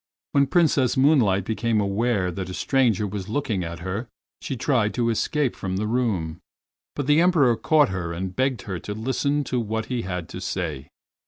When Princess Moonlight became aware that a stranger was looking at her she tried to escape from the room, but the Emperor caught her and begged her to listen to what he had to say.